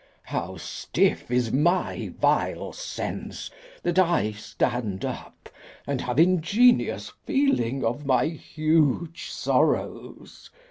How stiff is my vile sense, That I stand up, and have ingenious feeling Of my huge sorrows!